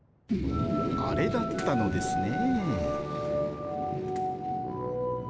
あれだったのですね。